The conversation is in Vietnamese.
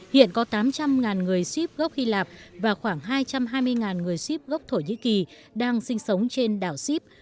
hiện có tám trăm linh người ship gốc hy lạp và khoảng hai trăm hai mươi người ship gốc thổ nhĩ kỳ đang sinh sống trên đảo sip